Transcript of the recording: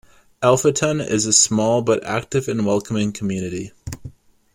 Alpheton is a small but active and welcoming community.